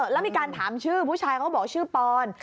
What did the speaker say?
แล้วมีการถามชื่อผู้ชายเขาก็บอกชื่อปอน